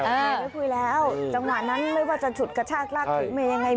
ไม่คุยแล้วจังหวะนั้นไม่ว่าจะฉุดกระชากลากถือเมย์ยังไง